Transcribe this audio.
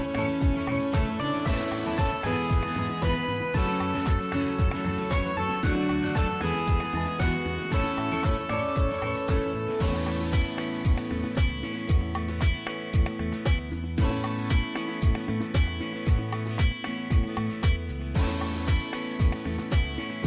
โปรดติดตามตอนต่อไป